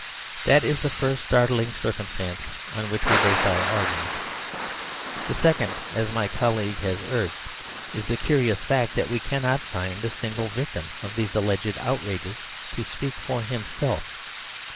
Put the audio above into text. That is the first startling circumstance on which we base our argument. The second, as my colleague has urged, is the curious fact that we cannot find a single victim of these alleged outrages to speak for himself.